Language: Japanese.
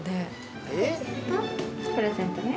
プレゼントね。